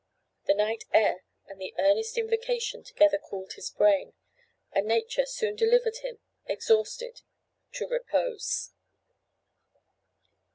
The night air and the earnest invocation together cooled his brain, and Nature soon delivered him, exhausted, to repose.